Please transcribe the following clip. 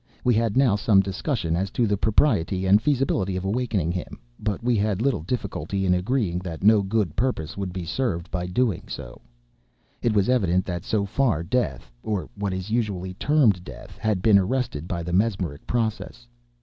We had now some discussion as to the propriety and feasibility of awakening him; but we had little difficulty in agreeing that no good purpose would be served by so doing. It was evident that, so far, death (or what is usually termed death) had been arrested by the mesmeric process.